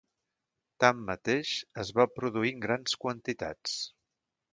Tanmateix, es va produir en grans quantitats.